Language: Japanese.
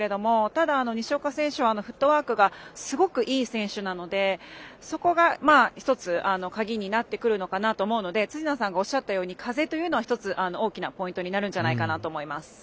ただ、西岡選手はフットワークがすごくいい選手なのでそこが一つ鍵になってくるのかなと思うので辻野さんがおっしゃったように風というのは一つ大きなポイントになるんじゃないかなと思います。